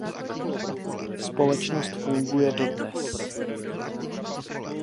Společnost funguje dodnes.